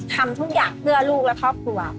ทำทุกอย่างเพื่อลูกและครอบครัว